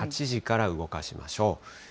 ８時から動かしましょう。